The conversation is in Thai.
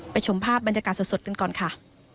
ชมภาพบรรยากาศสดกันก่อนค่ะ